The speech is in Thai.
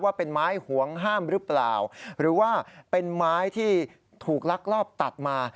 ว่าเป็นไม้ห่วงห้ามหรือเปล่าหรือว่าเป็นไม้ที่ถูกลักลอบตัดมา